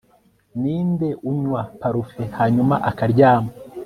ninde unywa parufe, hanyuma akaryama